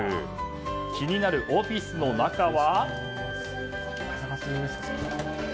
気になるオフィスの中は。